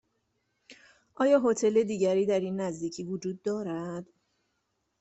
آیا هتل دیگری در این نزدیکی وجود دارد؟